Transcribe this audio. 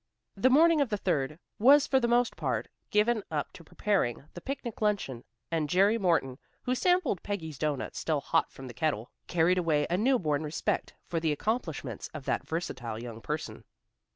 The morning of the third was for the most part given up to preparing the picnic luncheon, and Jerry Morton, who sampled Peggy's doughnuts still hot from the kettle, carried away a new born respect for the accomplishments of that versatile young person.